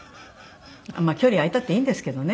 まあ距離あいたっていいんですけどね。